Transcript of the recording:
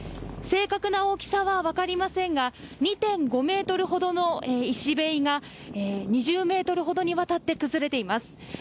正確な大きさは分かりませんが、２．５メートルほどの石塀が、２０メートルほどにわたって崩れています。